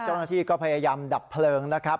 เจ้าหน้าที่ก็พยายามดับเพลิงนะครับ